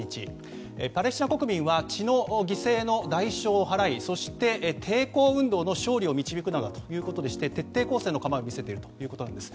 パレスチナ国民は血の犠牲の代償を払いそして、抵抗運動の勝利を導くのだということで徹底抗戦の構えを見せているということです。